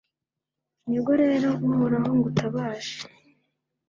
Ni bwo rero Uhoraho ngutabaje